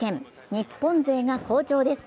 日本勢が好調です。